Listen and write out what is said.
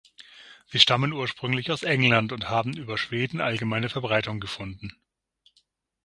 Sie stammen ursprünglich aus England und haben über Schweden allgemeine Verbreitung gefunden.